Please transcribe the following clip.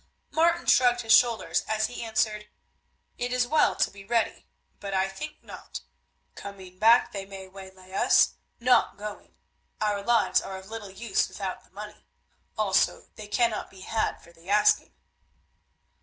Martin shrugged his shoulders as he answered, "It is always well to be ready, but I think not. Coming back they may waylay us, not going. Our lives are of little use without the money; also they cannot be had for the asking."